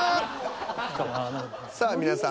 さあ皆さん。